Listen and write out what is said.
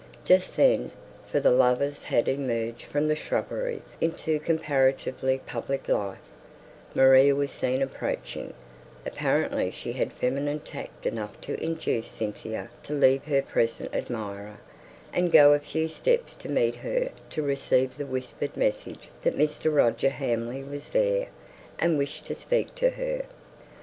Just then, for the lovers had emerged from the shrubbery into comparatively public life, Maria was seen approaching; apparently she had feminine tact enough to induce Cynthia to leave her present admirer, and to go a few steps to meet her to receive the whispered message that Mr. Roger Hamley was there, and wished to speak to her.